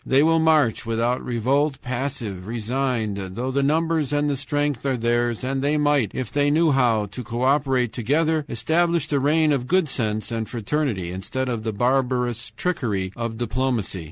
THEY WILL MARCH WITHOUT REVOLT, PASSIVE, RESIGNED THOUGH THE NUMBERS AND THE STRENGTH ARE THEIRS, AND THEY MIGHT, IF THEY KNEW HOW TO CO OPERATE TOGETHER, ESTABLISH THE REIGN OF GOOD SENSE AND FRATERNITY, instead of the barbarous trickery of diplomacy.